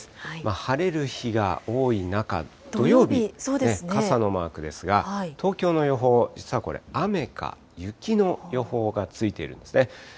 晴れる日が多い中、土曜日、傘のマークですが、東京の予報、実はこれ、雨か雪の予報がついているんですね。